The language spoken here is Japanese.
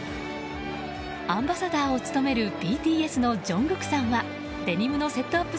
アンバサダーを務めるＢＴＳのジョングクさんはデニムのセットアップ